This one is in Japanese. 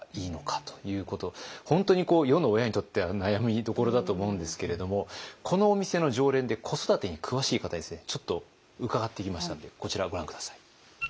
本当に世の親にとっては悩みどころだと思うんですけれどもこのお店の常連で子育てに詳しい方にですねちょっと伺ってきましたのでこちらをご覧下さい。